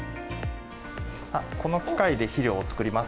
この機械で肥料を作ります。